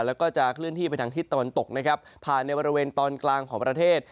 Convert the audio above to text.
แล้วก็จะเคลื่อนที่ไปทางทิศตะวันตกนะครับผ่านในบริเวณตอนกลางของประเทศ